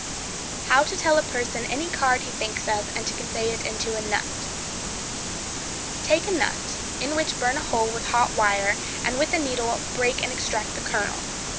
How to Tell a Person Any Card He Thinks of, and to Convey It into a Nut.—Take a nut, in which burn a hole with a hot wire, and with a needle break and extract the kernel.